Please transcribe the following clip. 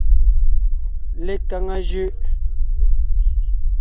Lekaŋa jʉʼ.